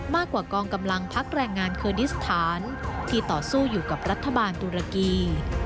กองกำลังพักแรงงานเคอร์ดิสถานที่ต่อสู้อยู่กับรัฐบาลตุรกี